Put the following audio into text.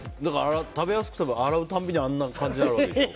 食べやすくても洗うたびにあんな感じだろうし。